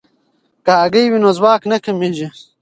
که هګۍ وي نو ځواک نه کمیږي.